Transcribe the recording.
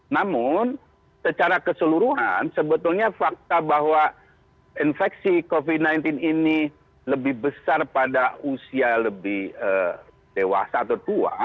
namun secara keseluruhan sebetulnya fakta bahwa infeksi covid sembilan belas ini lebih besar pada usia lebih dewasa atau tua